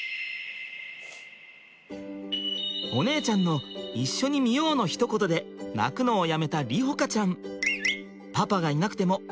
お姉ちゃんの「一緒に見よう」のひと言で泣くのをやめた梨穂花ちゃん。